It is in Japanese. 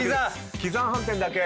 喜山飯店だけ。